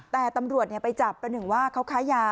แต่ตำรวจเนี้ยไปจับเป็นอย่างว่าเขาค้ายา